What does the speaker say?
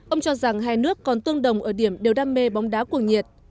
ông cho rằng hai nước còn tương đồng ở điểm đều đam mê bóng đá cuồng nhiệt